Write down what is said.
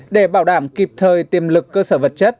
để bảo đảm kịp thời tiềm lực cơ sở vật chất